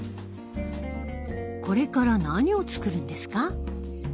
これから何を作るんですか？